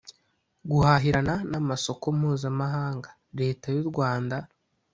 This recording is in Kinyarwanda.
Guhahirana n’amasoko mpuzamahanga leta y’u Rwanda